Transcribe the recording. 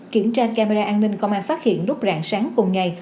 kiểm tra camera an ninh công an phát hiện lúc rạng sáng cùng ngày